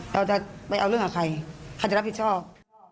เราจะไปเอาเรื่องกับใครใครจะรับผิดชอบ